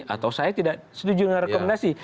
atau saya tidak setuju dengan rekomendasi